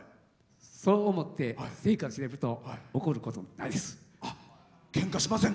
そう思って、生活すると怒ることもないです。